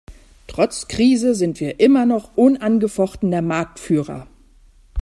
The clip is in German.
Trotz Krise sind wir immer noch unangefochtener Marktführer.